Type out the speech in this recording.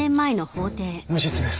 無実です。